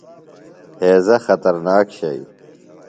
ہیضہ خطرناک شئی۔